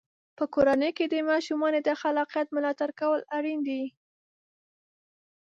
په کورنۍ کې د ماشومانو د خلاقیت ملاتړ کول اړین دی.